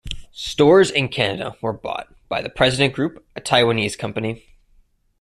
Stores in Canada were bought by The President Group, a Taiwanese company.